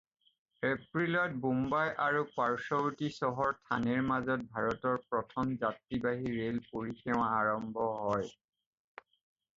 এপ্ৰিলত বোম্বাই আৰু পাৰ্শ্বৱৰ্তী চহৰ থানেৰ মাজত ভাৰতৰ প্ৰথম যাত্ৰীবাহী ৰেল পৰিসেৱা আৰম্ভ হয়।